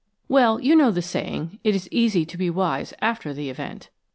3 WELL, you know the saying: It is easy to be wise after the event.